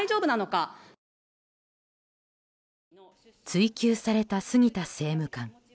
追及された杉田政務官。